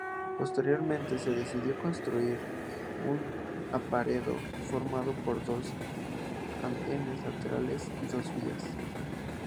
Posteriormente se decidió construir un apeadero formado por dos andenes laterales y dos vías.